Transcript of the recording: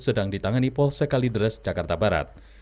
sedang ditangani polsek kalidres jakarta barat